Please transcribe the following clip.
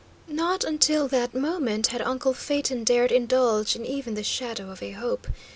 Not until that moment had uncle Phaeton dared indulge in even the shadow of a hope.